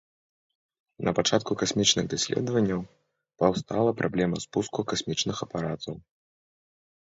Напачатку касмічных даследаванняў паўстала праблема спуску касмічных апаратаў.